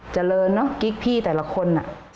เจริญเนอะกิ๊กพี่แต่ละคน